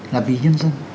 là vì nhân dân